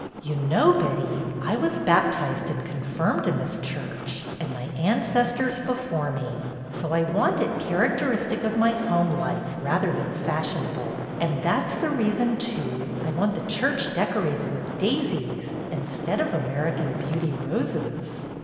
"You know, Betty, I was baptized and con firmed in this church, and my ancestors before me, so I want it characteristic of my home life rather than fashionable ; and that 's the reason, too, I want the church decorated with daisies instead of American Beauty roses."